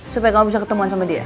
supaya kamu bisa ketemuan sama dia